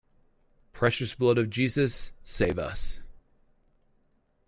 Precious Blood of Jesus, save us!